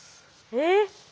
えっ。